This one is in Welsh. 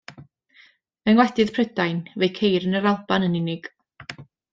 Yng ngwledydd Prydain fe'i ceir yn yr Alban yn unig.